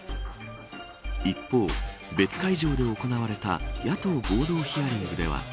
一方、別会場で行われた野党合同ヒアリングでは。